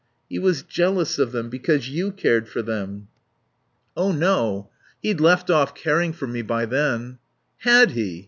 "He was jealous of them, because you cared for them." "Oh no. He'd left off caring for me by then." "Had he?"